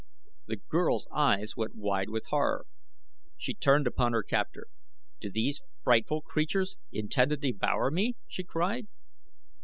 The girl's eyes went wide with horror. She turned upon her captor. "Do these frightful creatures intend to devour me?" she cried.